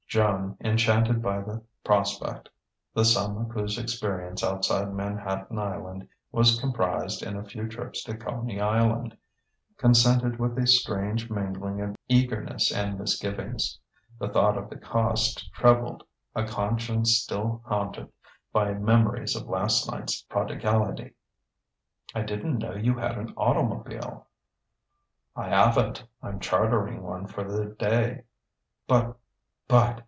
Joan, enchanted by the prospect the sum of whose experience outside Manhattan Island was comprised in a few trips to Coney Island consented with a strange mingling of eagerness and misgivings; the thought of the cost troubled a conscience still haunted by memories of last night's prodigality. "I didn't know you had an automobile." "I haven't; I'm chartering one for the day." "But ... but